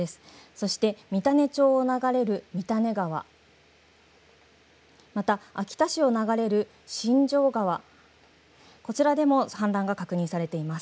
そして三種町を流れる三種川、また秋田市を流れる新城川、こちらでも氾濫が確認されています。